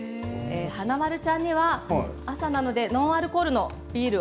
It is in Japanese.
華丸ちゃんには朝なのでノンアルコールのビール。